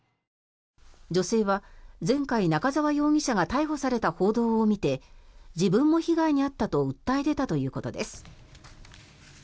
女性は前回、仲沢容疑者が逮捕された報道を見て自分も被害に遭ったと訴え出たということです。